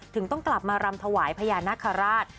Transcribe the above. ต้องกลับมารำถวายพญานาคาราช